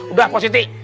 udah pak siti